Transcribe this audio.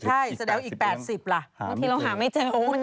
ใช่สำเร็จอีก๘๐เหรอหาไม่เจอหาไม่เจอมันอยู่ไหน